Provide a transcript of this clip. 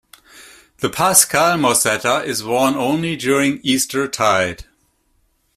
The Paschal mozzetta is worn only during Eastertide.